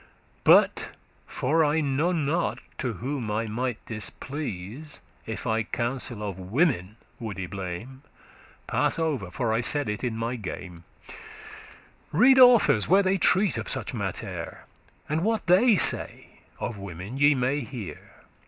But, for I n'ot* to whom I might displease *know not If I counsel of women woulde blame, Pass over, for I said it in my game.* *jest Read authors, where they treat of such mattere And what they say of women ye may hear.